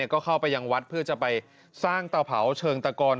ก็เข้าไปยังวัดเพื่อจะไปสร้างเตาเผาเชิงตะกอน